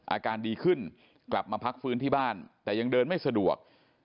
อาการดีขึ้นกลับมาพักฟื้นที่บ้านแต่ยังเดินไม่สะดวก